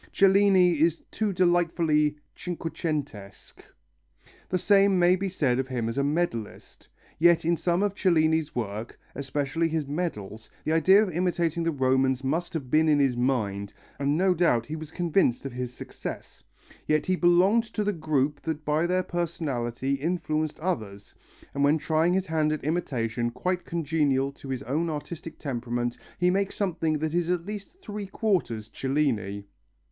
Cellini is too delightfully cinquecentesque. The same may be said of him as a medallist. Yet in some of Cellini's work, especially his medals, the idea of imitating the Romans must have been in his mind, and no doubt he was convinced of his success. Yet he belonged to the group that by their personality influenced others, and when trying his hand at imitation quite congenial to his own artistic temperament he makes something that is at least three quarters Cellini.